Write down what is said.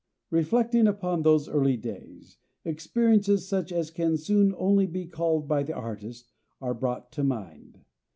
Reflecting upon those early days, experiences such as can soon only be called by the artist, are brought to mind.